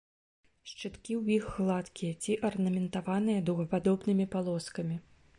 Шчыткі ў іх гладкія ці арнаментаваныя дугападобнымі палоскамі.